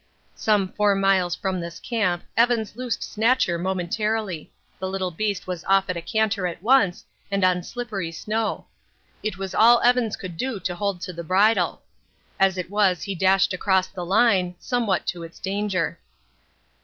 Some four miles from this camp Evans loosed Snatcher momentarily. The little beast was off at a canter at once and on slippery snow; it was all Evans could do to hold to the bridle. As it was he dashed across the line, somewhat to its danger.